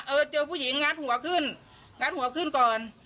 เจอผู้หญิงงัดหัวขึ้นงัดหัวขึ้นก่อน